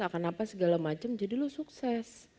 akan apa segala macam jadi lo sukses